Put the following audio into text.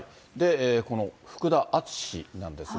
この福田淳氏なんですが。